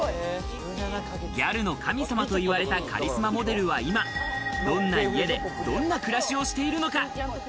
ギャルの神様と言われたカリスマモデルは今、どんな家で、どんな暮らしをしているのか。